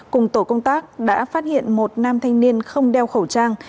cùng tổ công tác đã phát hiện một nam thanh niên không đeo khẩu trang